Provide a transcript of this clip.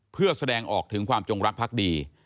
เพื่อแสดงออกถึงความจงรักพักดี